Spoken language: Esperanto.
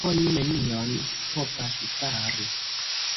Oni nenion povas fari.